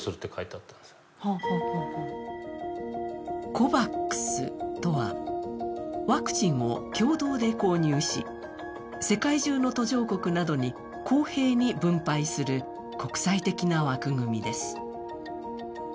ＣＯＶＡＸとは、ワクチンを共同で購入し、世界中の途上国などに公平に分配する国際的な枠組みです。